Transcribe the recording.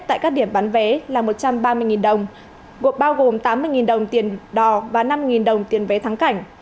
tại các điểm bán vé là một trăm ba mươi đồng gồm bao gồm tám mươi đồng tiền đò và năm đồng tiền vé thắng cảnh